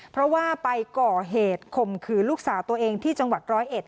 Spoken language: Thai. เพราะว่าไปก่อเหตุข่มขืนลูกสาวตัวเองที่จังหวัดร้อยเอ็ด